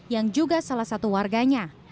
yang juga salah satu warganya